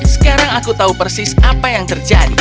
sekarang aku tahu persis apa yang terjadi